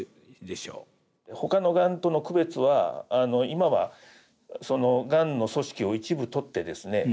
ほかのがんとの区別は今はがんの組織を一部取ってですね